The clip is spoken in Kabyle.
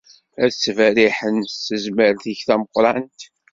Ad ttberriḥen s tezmert-ik tameqrrant.